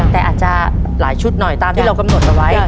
แต่อาจจะหลายชุดหน่อยตามที่เรากำหนดเอาไว้